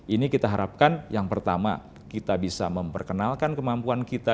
ini kita harapkan yang pertama kita bisa memperkenalkan kemampuan kita